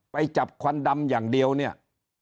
ไปจับควันดำอย่างเดียวเนี่ย